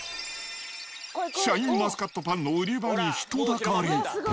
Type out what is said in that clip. シャインマスカットパンの売り場に人だかり。